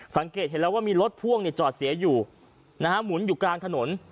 สังเกตเห็นแล้วว่ามีรถพ่วงจอดเสียอยู่นะฮะหมุนอยู่กลางถนน